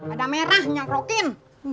ada merah nyokrokin